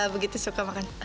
begitu suka makan